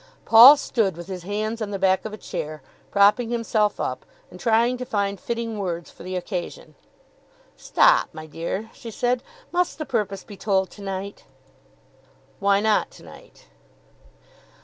Paul stood with his hands on the back of a chair, propping himself up and trying to find fitting words for the occasion. "Stop, my dear," she said. "Must the purpose be told to night?" "Why not to night?"